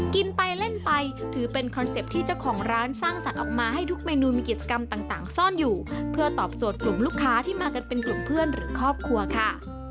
กินไปเล่นไปถือเป็นคอนเซ็ปต์ที่เจ้าของร้านสร้างสรรค์ออกมาให้ทุกเมนูมีกิจกรรมต่างซ่อนอยู่เพื่อตอบโจทย์กลุ่มลูกค้าที่มากันเป็นกลุ่มเพื่อนหรือครอบครัวค่ะ